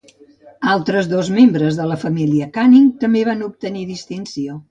Altres dos membres de la família Canning també va obtenir distinció.